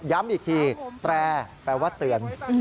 ย้ำอีกทีแตรแปลว่าเตือน